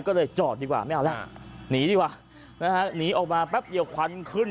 ก็เลยจอดดีกว่าไม่เอาแล้วหนีดีกว่านะฮะหนีออกมาแป๊บเดียวควันขึ้น